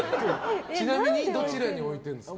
ちなみにどちらに置いてるんですか？